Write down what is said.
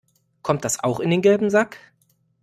Kommt das auch in den gelben Sack?